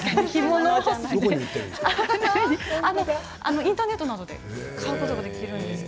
インターネットなどで買うことができます。